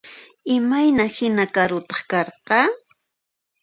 Imayna hina karutaq karqan?